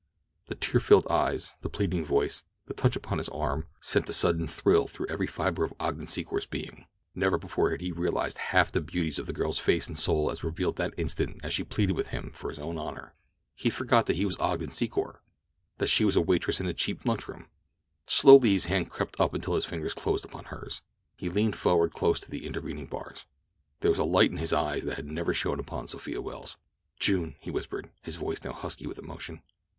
The tear filled eyes, the pleading voice, the touch upon his arm, sent a sudden thrill through every fiber of Ogden Secor's being. Never before had he realized half the beauties of the girl's face and soul as revealed that instant as she pleaded with him for his own honor. He forgot that he was Ogden Secor—that she was a waitress in a cheap lunchroom. Slowly his hand crept up until his fingers closed upon hers. He leaned forward close to the intervening bars. There was a light in his eyes that had never shone upon Sophia Welles. "June!" he whispered, his voice now husky with emotion.